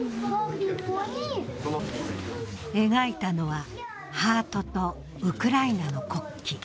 描いたのはハートとウクライナの国旗。